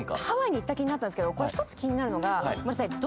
ハワイに行った気になったんですけどこれ１つ気になるのがごめんなさい